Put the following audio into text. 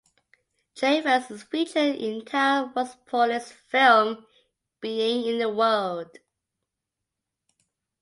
Dreyfus is featured in Tao Ruspoli's film "Being in the World".